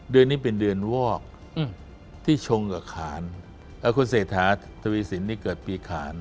เดือนนี้เป็นเดือนวอกที่ชงกับขานคุณเศรษฐาทวีสินนี่เกิดปีขาน